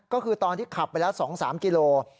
ก็คือตอนที่ขับไปแล้ว๒๓กิโล